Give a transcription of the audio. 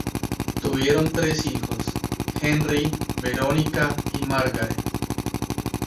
Tuvieron tres hijos: Henry, Veronica, y Margaret.